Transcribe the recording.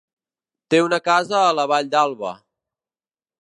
Té una casa a la Vall d'Alba.